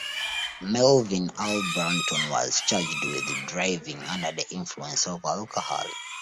Melvin R. Blanton was charged with Driving under the influence of alcohol.